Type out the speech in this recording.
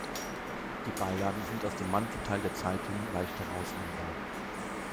Die Beilagen sind aus dem Mantelteil der Zeitung leicht herausnehmbar.